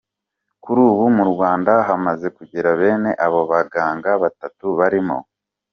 Kuri ubu mu Rwanda hamaze kugera bene abo baganga batatu barimo